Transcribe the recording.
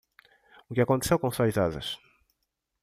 O que aconteceu com suas asas?